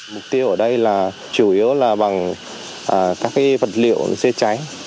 mục tiêu ở đây là chủ yếu là bằng các vật liệu dễ cháy